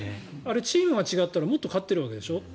チームが違ったらもっと勝ってるわけでしょ。